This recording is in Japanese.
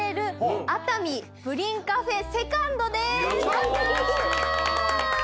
やった！